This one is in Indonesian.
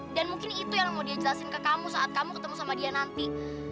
dan mungkin itu yang mau dia jelasin ke kamu saat kamu ketemu sama dia nanti